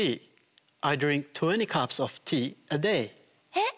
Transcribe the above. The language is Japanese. えっ！